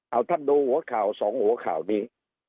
เอาท่านดูหัวข่าวสองหัวข่าวนี้